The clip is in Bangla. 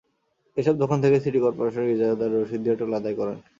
এসব দোকান থেকে সিটি করপোরেশনের ইজারাদার রসিদ দিয়ে টোল আদায় করেন।